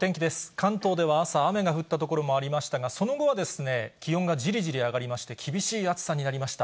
関東では朝、雨が降った所もありましたが、その後はですね、気温がじりじり上がりまして、厳しい暑さになりました。